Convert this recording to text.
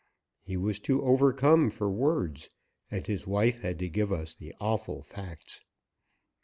He was too overcome for words, and his wife had to give us the awful facts.